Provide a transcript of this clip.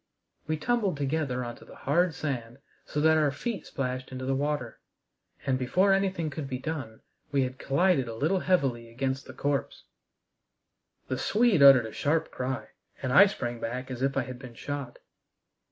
We tumbled together on to the hard sand so that our feet splashed into the water. And, before anything could be done, we had collided a little heavily against the corpse. The Swede uttered a sharp cry. And I sprang back as if I had been shot.